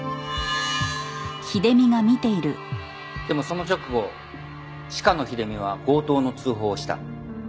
でもその直後鹿野秀美は強盗の通報をした。